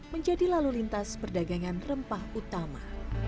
menjadi lalu lintas perdagangan rempah utama